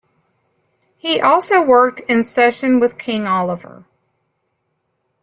He also worked in session with King Oliver.